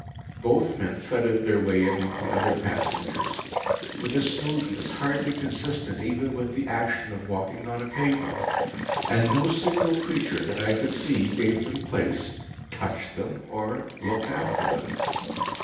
Both men threaded their way among the other passengers with a smoothness hardly consistent even with the action of walking on a pavement; and no single creature, that I could see, gave them place, touched them, or looked after them.